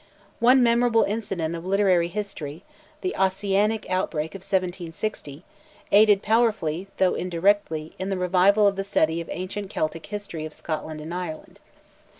One memorable incident of literary history—the Ossianic outbreak of 1760—aided powerfully though indirectly in the revival of the study of the ancient Celtic history of Scotland and Ireland.